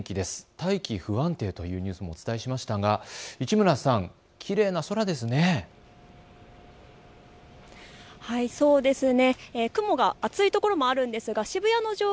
大気不安定というニュースもお伝えしましたが市村さん、きれいな空ですね。